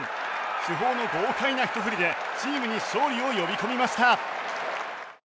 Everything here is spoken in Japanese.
主砲の豪快な一振りでチームに勝利を呼び込みました。